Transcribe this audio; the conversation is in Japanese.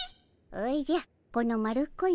おじゃこの丸っこい